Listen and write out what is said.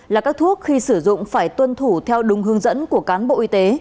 là các thuốc khi sử dụng phải tuân thủ theo đúng hướng dẫn của cán bộ y tế